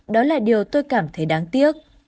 đó là điều tôi cảm thấy đáng tiếc